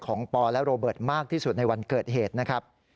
ปอและโรเบิร์ตมากที่สุดในวันเกิดเหตุนะครับ